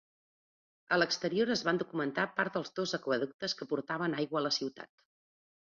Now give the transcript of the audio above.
A l'exterior, es van documentar part dels dos aqüeductes que portaven aigua a la ciutat.